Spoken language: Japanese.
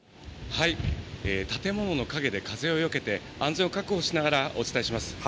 建物の影で風をよけて、安全を確保しながらお伝えします。